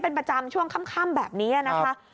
เป็นประจำช่วงค่ำแบบนี้นะคะ